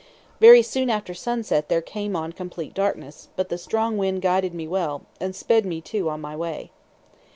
Very soon after sunset there came on complete darkness, but the strong wind guided me well, and sped me, too, on my way.